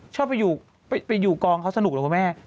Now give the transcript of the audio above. ชอบไปอยู่กองเขาสนุกหรือเปล่าแม่